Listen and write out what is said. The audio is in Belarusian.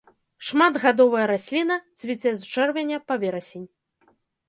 Шматгадовая расліна, цвіце з чэрвеня па верасень.